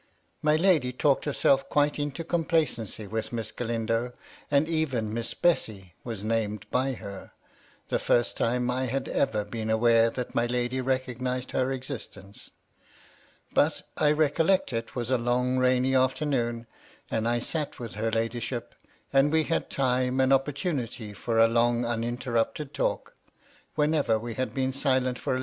My lady talked herself quite into complacency with Miss Galindo, and even Miss Bessy was named by her, the first time I had ever been aware that my lady recognised her existence ; but — I recol lect it was a long rainy afternoon, and I sat with her ladyship, and we had time and opportunity for a long jmmterrupted talk — whenever we had been silent for a MY LADY LUDLOW.